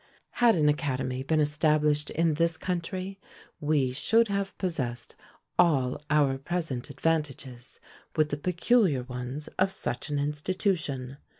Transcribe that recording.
Had an academy been established in this country, we should have possessed all our present advantages, with the peculiar ones of such an institution.